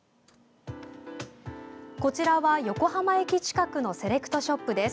こちらは横浜駅近くのセレクトショップです。